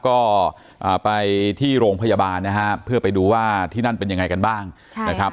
ก็ไปที่โรงพยาบาลนะฮะเพื่อไปดูว่าที่นั่นเป็นยังไงกันบ้างนะครับ